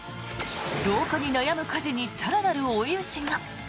老化に悩む加地に更なる追い打ちが！